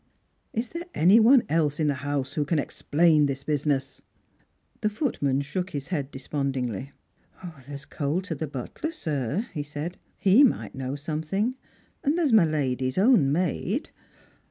Is there any one else in the house who can explain this business ?" The footman shook his head despondingly. " There's Colter the butler, sir," he said ;" he might know something, and there's my lady's own maid."